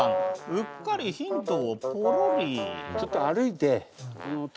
うっかりヒントをぽろり。